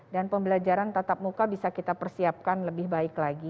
dan pembelajaran tatap muka bisa kita persiapkan lebih baik lagi